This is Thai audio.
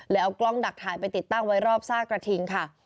เอากล้องดักถ่ายไปติดตั้งไว้รอบซากกระทิงค่ะ